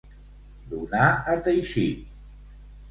Donar a teixir.